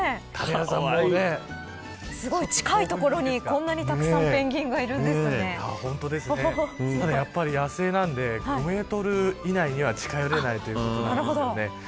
すごい近い所にこんなにたくさんペンギンが野生なんで５メートル以内には近寄れないということなんですよね。